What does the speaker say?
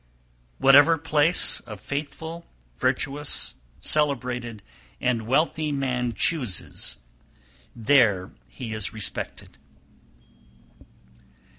303. Whatever place a faithful, virtuous, celebrated, and wealthy man chooses, there he is respected.